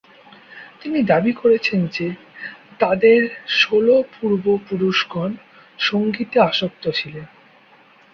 তিনি দাবী করেছিলেন যে, তাদের ষোল পূর্ব-পুরুষগণ সঙ্গীতে আসক্ত ছিলেন।